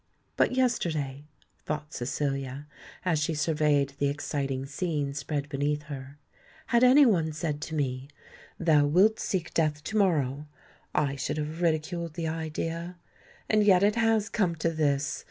"But yesterday," thought Cecilia, as she surveyed the exciting scene spread beneath her, "had any one said to me, 'Thou wilt seek death to morrow,' I should have ridiculed the idea. And yet it has come to this!